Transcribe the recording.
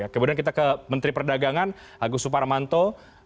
kemudian kita ke menteri perdagangan agus suparmanto